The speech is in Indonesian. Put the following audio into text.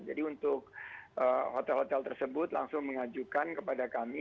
jadi untuk hotel hotel tersebut langsung mengajukan kepada kami